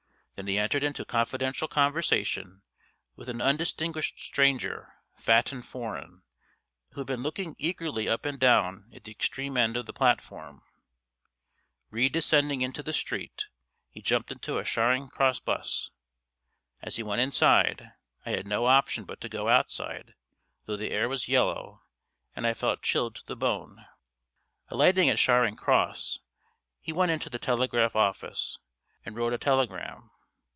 Then he entered into confidential conversation with an undistinguished stranger, fat and foreign, who had been looking eagerly up and down at the extreme end of the platform. Re descending into the street, he jumped into a Charing Cross 'bus. As he went inside I had no option but to go outside, though the air was yellow and I felt chilled to the bone. [Illustration: IN CONFIDENTIAL CONVERSATION WITH AN UNDISTINGUISHED FOREIGNER.] Alighting at Charing Cross, he went into the telegraph office, and wrote a telegram.